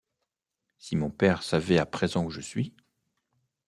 Si mon père savait à présent où je suis!